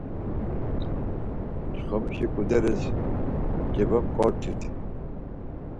Çxomişi ǩudelis cevonǩortit…